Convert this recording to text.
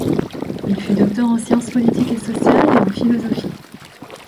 Il fut docteur en sciences politiques et sociales et en philosophie.